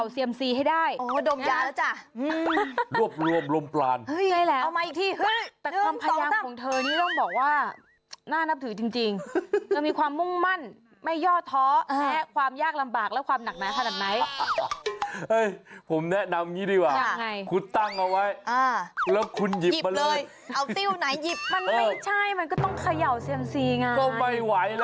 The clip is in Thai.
สุดท้ายก็ได้มา๑ไม้